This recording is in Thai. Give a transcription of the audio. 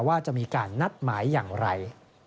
ขอบคุณมาก